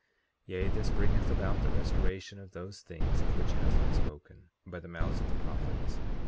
40:22 Yea, this bringeth about the restoration of those things of which has been spoken by the mouths of the prophets.